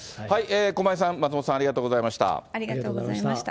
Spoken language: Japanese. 駒井さん、松本さん、ありがとうありがとうございました。